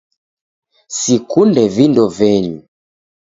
Sikunde vindo venyu